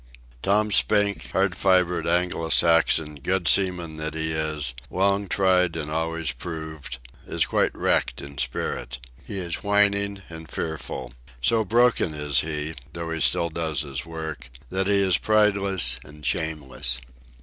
Tom Spink, hard fibred Anglo Saxon, good seaman that he is, long tried and always proved, is quite wrecked in spirit. He is whining and fearful. So broken is he, though he still does his work, that he is prideless and shameless.